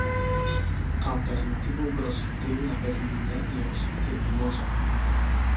Alternativou k rozptylu na pevnině je rozptyl do moře.